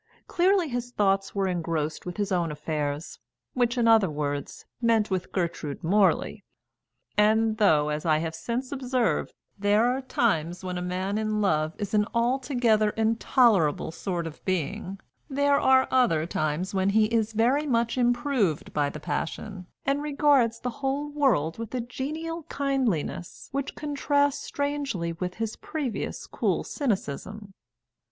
Clearly his thoughts were engrossed with his own affairs, which, in other words, meant with Gertrude Morley; and though, as I have since observed, there are times when a man in love is an altogether intolerable sort of being, there are other times when he is very much improved by the passion, and regards the whole world with a genial kindliness which contrasts strangely with his previous cool cynicism.